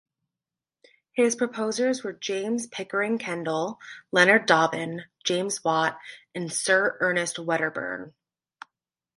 His proposers were James Pickering Kendall, Leonard Dobbin, James Watt, and Sir Ernest Wedderburn.